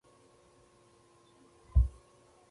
په هندوستان کې د افغاني لودیانو او سوریانو واکمنۍ پاتې شوې.